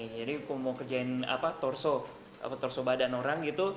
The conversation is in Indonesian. jadi kalau mau kerjain torso badan orang